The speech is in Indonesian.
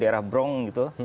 di daerah bron gitu